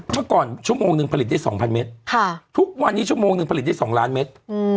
เมื่อก่อนชั่วโมงหนึ่งผลิตได้๒๐๐เมตรทุกวันนี้ชั่วโมงหนึ่งผลิตได้๒ล้านเมตร